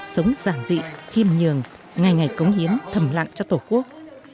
sống giản dị khiêm nhường ngày ngày cống hiến thầm lặng cho tổ quốc